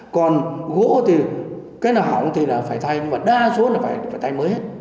còn gỗ thì cái nào hỏng thì phải thay nhưng mà đa số là phải thay mới hết